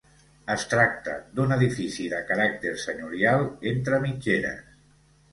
Es tracta d'un edifici de caràcter senyorial, entre mitgeres.